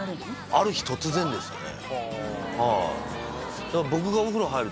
ある日突然でしたね。